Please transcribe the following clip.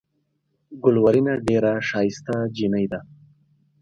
ګلورينه ډېره ښائسته جينۍ ده۔